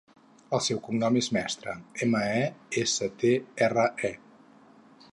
El seu cognom és Mestre: ema, e, essa, te, erra, e.